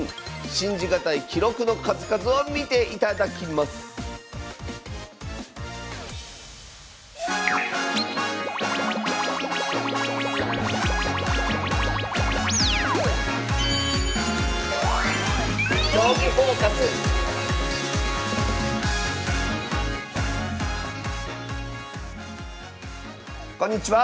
信じがたい記録の数々を見ていただきますこんにちは。